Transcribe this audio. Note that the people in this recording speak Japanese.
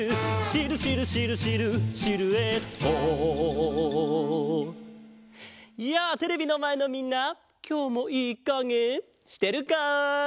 「シルシルシルシルシルエット」やあテレビのまえのみんなきょうもいいかげしてるか？